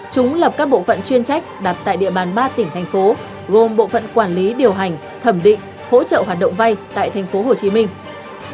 chúng lập các bộ phận chuyên trách đặt tại địa bàn ba tỉnh thành phố gồm bộ phận quản lý điều hành thẩm định hỗ trợ hoạt động vay tại thành phố hồ chí minh